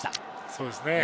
そうですね。